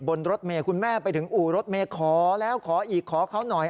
บนรถเมย์คุณแม่ไปถึงอู่รถเมย์ขอแล้วขออีกขอเขาหน่อย